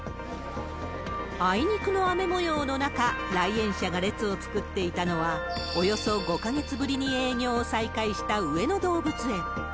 あいにくの雨もようの中、来園者が列を作っていたのは、およそ５か月ぶりに営業を再開した上野動物園。